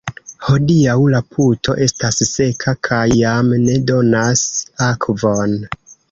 Hodiaŭ la puto estas seka kaj jam ne donas akvon.